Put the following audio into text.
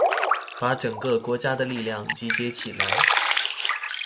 把整個國家的力量集結起來